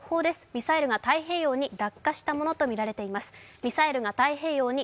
ミサイルが太平洋に落下したものとみられています。